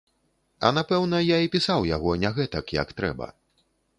А напэўна я і пісаў яго не гэтак, як трэба.